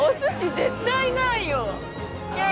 絶対ないよ。